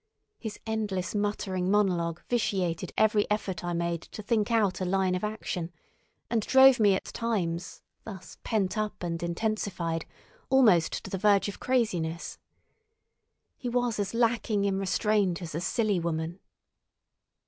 His endless muttering monologue vitiated every effort I made to think out a line of action, and drove me at times, thus pent up and intensified, almost to the verge of craziness. He was as lacking in restraint as a silly woman.